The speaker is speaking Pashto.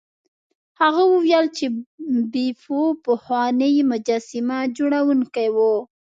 هغه وویل چې بیپو پخوانی مجسمه جوړونکی و.